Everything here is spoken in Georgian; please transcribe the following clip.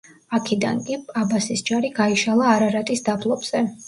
აქიდან კი, აბასის ჯარი გაიშალა არარატის დაბლობზე.